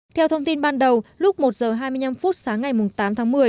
theo thông tin ban đầu lúc một h hai mươi năm phút sáng ngày tám tháng một mươi